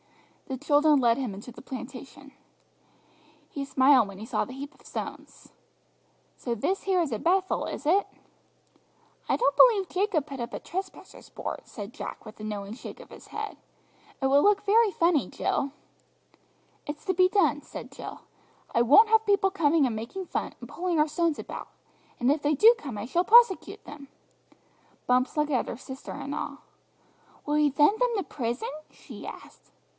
The children led him into the plantation. He smiled when he saw the heap of stones. "So this here is a Bethel, is it?" "I don't believe Jacob put up a trespassers' board," said Jack with a knowing shake of his head; "it will look very funny, Jill." "It's to be done," said Jill. "I won't have people coming, and making fun, and pulling our stones about, and if they do come, I shall prosecute them!" Bumps looked at her sister in awe. "Will you thend them to prison?" she asked.